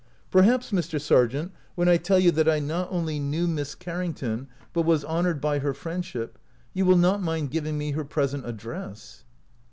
" Perhaps, Mr. Sargent, when I tell you that I not only knew Miss Carrington, but was honored by her friendship, you will not mind giving me her present address."